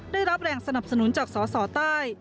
ได้รับแรงสนับสนุนจากสสใต้